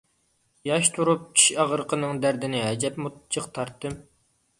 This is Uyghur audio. ياش تۇرۇپ چىش ئاغرىقىنىڭ دەردىنى ئەجەبمۇ جىق تارتتىم.